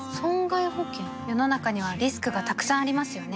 世の中にはリスクがたくさんありますよね